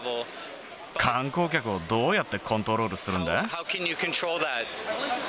観光客をどうやってコントロールするんだ？